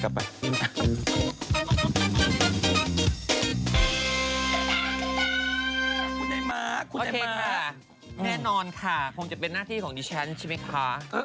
โอเคค่ะน่าจะเป็นหน้าของนิชชานใช่มั้ยคะ